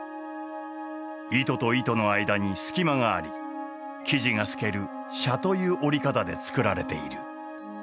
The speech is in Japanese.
糸と糸の間に隙間があり生地が透ける紗という織り方で作られている。